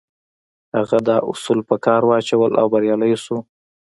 هغه دا اصول په کار واچول او بريالی شو.